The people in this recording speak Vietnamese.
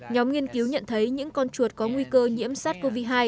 nhóm nghiên cứu nhận thấy những con chuột có nguy cơ nhiễm sars cov hai